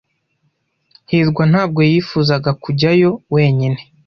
hirwa ntabwo yifuzaga kujyayo wenyine.